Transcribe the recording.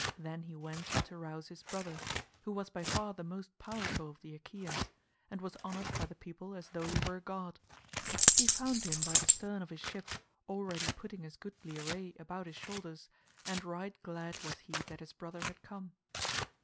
Then he went to rouse his brother, who was by far the most powerful of the Achaeans, and was honoured by the people as though he were a god. He found him by the stern of his ship already putting his goodly array about his shoulders, and right glad was he that his brother had come.